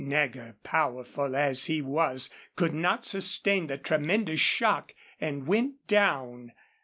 Nagger, powerful as he was, could not sustain the tremendous shock, and went down.